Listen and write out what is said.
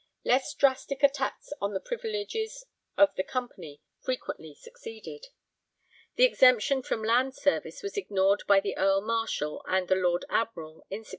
Less drastic attacks on the privileges of the Company frequently succeeded. The exemption from 'land service' was ignored by the Earl Marshal and the Lord Admiral in 1628.